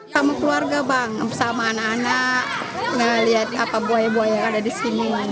sama keluarga bang sama anak anak melihat buaya buaya yang ada di sini